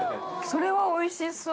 それはおいしそう。